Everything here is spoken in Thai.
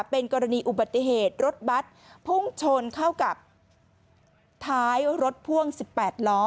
เป็นกรณีอุบัติเหตุรถบัตรพุ่งชนเข้ากับท้ายรถพ่วง๑๘ล้อ